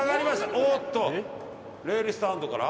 おっとレイルスタンドから。